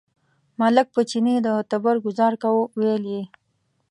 ملک په چیني د تبر ګوزار کاوه، ویل یې.